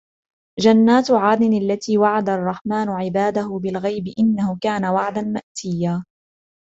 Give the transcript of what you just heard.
جنات عدن التي وعد الرحمن عباده بالغيب إنه كان وعده مأتيا